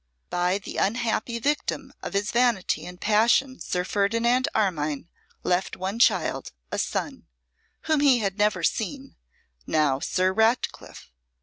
By the unhappy victim of his vanity and passion Sir Ferdinand Armine left one child, a son, whom he had never seen, now Sir Ratcliffe.